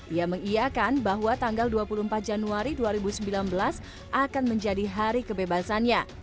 ia mengiakan bahwa tanggal dua puluh empat januari dua ribu sembilan belas akan menjadi hari kebebasannya